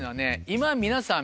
今皆さん